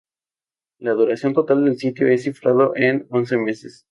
La duración total del sitio es cifrada en once meses.